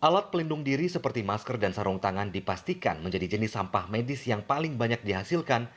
alat pelindung diri seperti masker dan sarung tangan dipastikan menjadi jenis sampah medis yang paling banyak dihasilkan